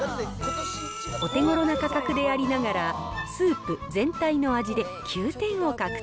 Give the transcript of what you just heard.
お手ごろな価格でありながら、スープ、全体の味で９点を獲得。